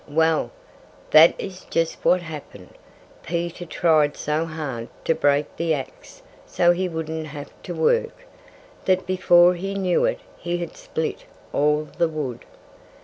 Well, that is just what happened. Peter tried so hard to break the axe so he wouldn't have to work, that before he knew it he had split all the wood.